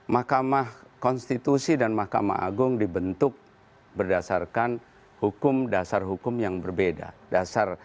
mahkamah konstitusi dan mahkamah agung dibentuk berdasarkan hukum dasar hukum yang berbeda